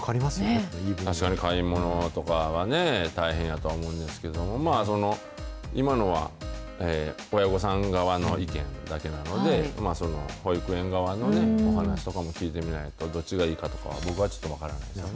確かに買い物とかがね、大変やと思うんですけど、まあ、今のは親御さん側の意見だけなので、保育園側のお話とかも聞いてみないと、どっちがいいかとかは僕はちょっと分からないですね。